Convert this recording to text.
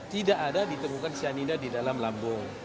tidak ada ditemukan cyanida di dalam lambung